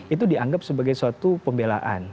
itu dianggap sebagai suatu pembelaan